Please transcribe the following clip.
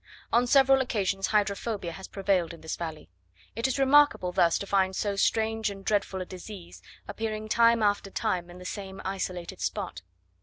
On several occasions hydrophobia has prevailed in this valley. It is remarkable thus to find so strange and dreadful a disease, appearing time after time in the same isolated spot.